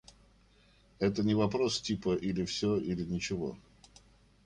Это не вопрос типа "или все, или ничего".